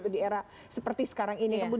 di era seperti sekarang ini